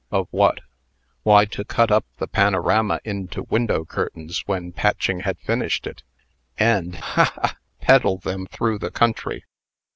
"Of what?" "Why, to cut up the panorama into window curtains, when Patching had finished it, and ha! ha! peddle them through the country.